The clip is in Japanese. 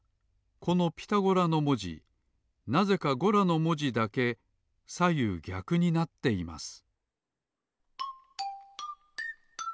この「ピタゴラ」のもじなぜか「ゴラ」のもじだけさゆうぎゃくになっています